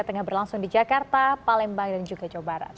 tengah berlangsung di jakarta palembang dan juga jawa barat